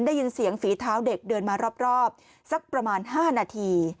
ได้ยินเสียงฝีเท้าเด็กเดินมารอบสักประมาณ๕นาที